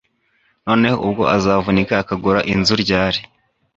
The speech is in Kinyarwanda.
Noneho ubwo uzavunika ukagura inzu ryari